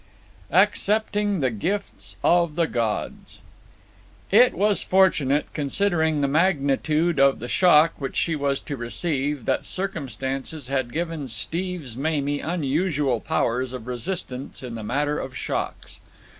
Accepting the Gifts of the Gods It was fortunate, considering the magnitude of the shock which she was to receive, that circumstances had given Steve's Mamie unusual powers of resistance in the matter of shocks.